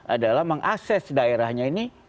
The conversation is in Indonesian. adalah mengakses daerahnya ini